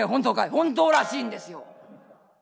「本当らしいんですよぉ」。